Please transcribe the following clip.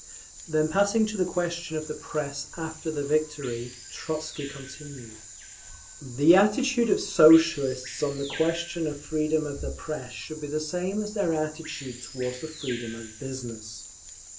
Then passing to the question of the Press after the victory, Trotzky continued: "The attitude of Socialists on the question of freedom of the Press should be the same as their attitude toward the freedom of business….